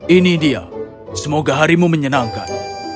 ini dia semoga harimu menyenangkan